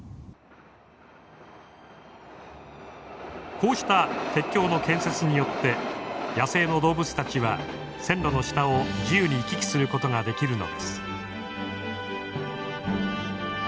こうした鉄橋の建設によって野生の動物たちは線路の下を自由に行き来することができるのです。